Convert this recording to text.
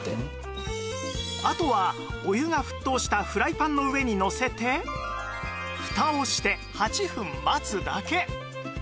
あとはお湯が沸騰したフライパンの上にのせてフタをして８分待つだけ